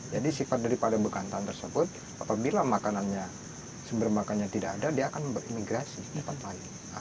jadi sifat daripada bekantan tersebut apabila makanan nya sumber makanan nya tidak ada dia akan berimigrasi ke tempat lain